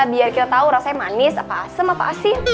biar kita tahu rasanya manis apa asem apa asin